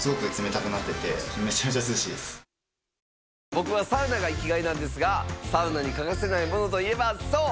僕はサウナが生きがいなんですがサウナに欠かせないものといえばそう！